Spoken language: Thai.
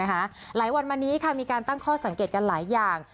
หลายวันมานี้มีการตั้งข้อสังเกตกันหลายอย่าง